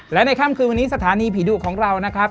และในค่ำคืนวันนี้สถานีผีดุของเรานะครับ